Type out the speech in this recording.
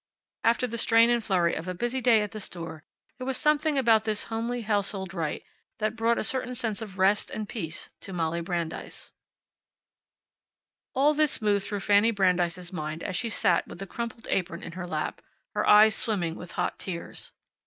After the strain and flurry of a busy day at the store there was something about this homely household rite that brought a certain sense of rest and peace to Molly Brandeis. All this moved through Fanny Brandeis's mind as she sat with the crumpled apron in her lap, her eyes swimming with hot tears.